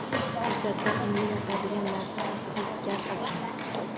To‘satdan unga yoqadigan narsa haqida gap oching.